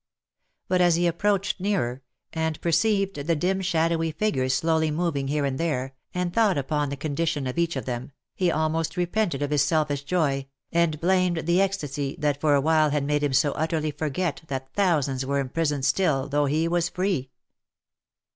But as he approached nearer, and perceived the dim shadowy figures slowly moving here and there, and thought upon the condition of each of them, he almost repented of his selfish joy, and blamed the ecstasy that for a while had made him so utterly forget that thousands were imprisoned still, though he was free.